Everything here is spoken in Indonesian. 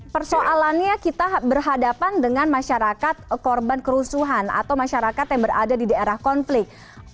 persoalannya kita berhadapan dengan masyarakat korban kerusuhan atau masyarakat yang berada di daerah konflik